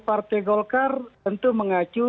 partai golkar tentu mengacu